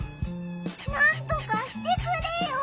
なんとかしてくれよ！